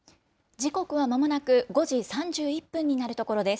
時刻はまもなく５時３１分になるところです。